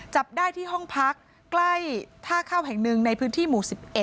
จับได้ที่ห้องพักใกล้ท่าข้าวแห่งหนึ่งในพื้นที่หมู่๑๑